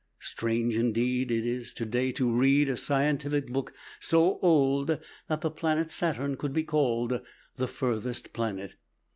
Strange, indeed, it is to day to read a scientific book so old that the planet Saturn could be called the "furthest" planet.